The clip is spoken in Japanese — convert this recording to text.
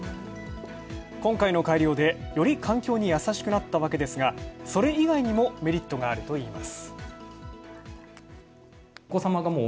今回の改良で、より環境に優しくなったわけですがそれ以外にもメリットがあるといいます。